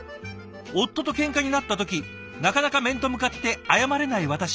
「夫とケンカになった時なかなか面と向かって謝れない私。